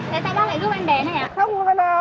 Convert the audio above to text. để tao bác lại giúp anh bé này ạ